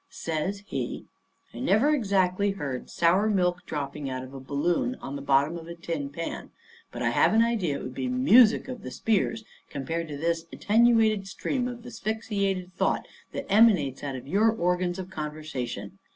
Says he: "I never exactly heard sour milk dropping out of a balloon on the bottom of a tin pan, but I have an idea it would be music of the spears compared to this attenuated stream of asphyxiated thought that emanates out of your organs of conversation.